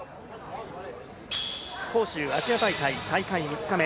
杭州アジア大会、大会３日目。